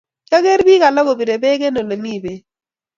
Kiager pik alak kopire bek eng lemi pek